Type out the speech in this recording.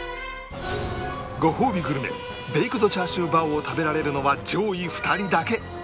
ごほうびグルメベイクドチャーシューバオを食べられるのは上位２人だけ